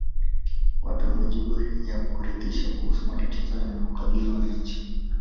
Watoe majibu ya kuridhisha kuhusu matatizo yanayowakabili wananchi